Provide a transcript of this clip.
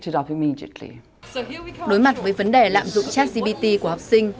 đối mặt với vấn đề lạm dụng charts gpt của học sinh